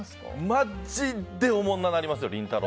マジでおもんななくなりますよ。